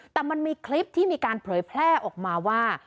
แต่มันมีคลิปที่มีการเผยแพร่ออกมาว่า